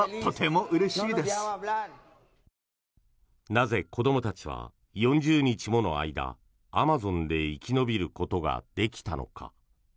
なぜ、子どもたちは４０日もの間アマゾンで生き延びることができたのか。